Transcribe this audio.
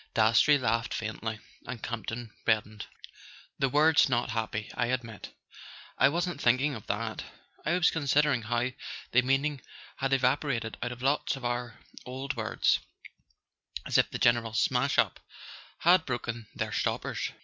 Dastrey laughed faintly, and Campton reddened. "The word's not happy, I admit." "I wasn't thinking of that: I was considering how the meaning had evaporated out of lots of our old words, as if the general smash up had broken their stoppers.